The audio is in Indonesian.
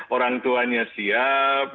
orang tuanya siap